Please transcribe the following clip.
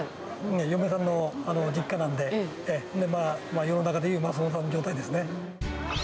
嫁さんの実家なんで、世の中で言うますおさん状態ですね。